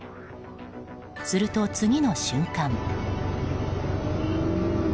すると次の瞬間。